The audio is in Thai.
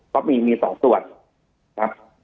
ก็มีมี๒ส่วนครับ